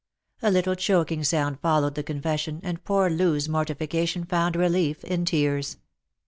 A little choking sound followed the confession, and poor Loo's mortification found relief in tears.